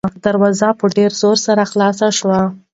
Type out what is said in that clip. دروازه په ډېر زور سره خلاصه شوه.